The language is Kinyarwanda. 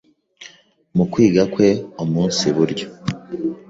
mu kwiga kwe umunsi buryo